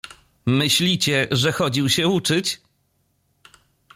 Myślicie, że chodził się uczyć?